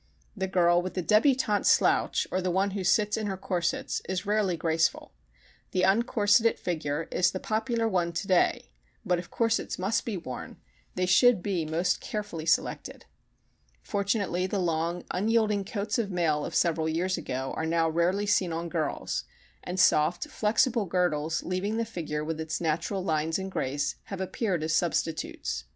The girl with the débutante slouch or the one who "sits in her corsets" is rarely graceful. The uncorseted figure is the popular one today but if corsets must be worn they should be most carefully selected. Fortunately the long, unyielding coats of mail of several years ago are now rarely seen on girls, and soft, flexible girdles leaving the figure with its natural lines and grace, have appeared as substitutes.